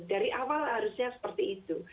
dari awal harusnya seperti itu